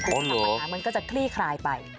โอ้โหหรือว่ามันก็จะคลี่คลายไป